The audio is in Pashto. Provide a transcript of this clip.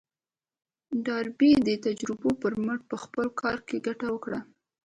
ډاربي د تجربو پر مټ په خپل کار کې ګټه وکړه.